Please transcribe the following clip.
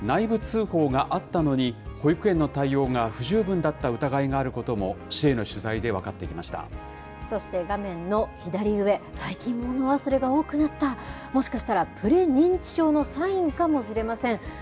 内部通報があったのに、保育園の対応が不十分だった疑いがあることも市への取材で分かっそして画面の左上、最近物忘れが多くなった、もしかしたらプレ認知症のサインかもしれません。